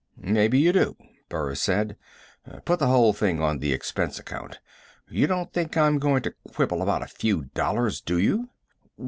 "Maybe you do," Burris said. "Put the whole thing on the expense account. You don't think I'm going to quibble about a few dollars, do you?"